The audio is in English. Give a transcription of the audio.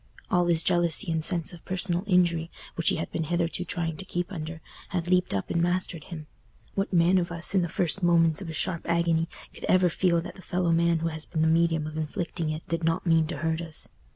All his jealousy and sense of personal injury, which he had been hitherto trying to keep under, had leaped up and mastered him. What man of us, in the first moments of a sharp agony, could ever feel that the fellow man who has been the medium of inflicting it did not mean to hurt us?